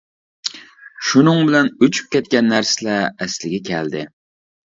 شۇنىڭ بىلەن ئۆچۈپ كەتكەن نەرسىلەر ئەسلىگە كەلدى.